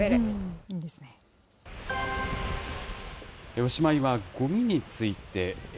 おしまいはごみについて。